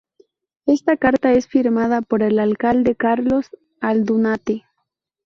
Esta carta es firmada por el alcalde Carlos Aldunate.